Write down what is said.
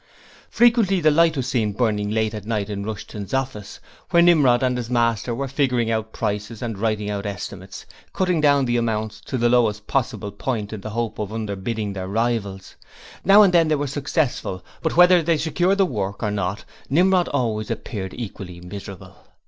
Frequently the light was seen burning late at night in Rushton's office, where Nimrod and his master were figuring out prices and writing out estimates, cutting down the amounts to the lowest possible point in the hope of underbidding their rivals. Now and then they were successful but whether they secured the work or not, Nimrod always appeared equally miserable.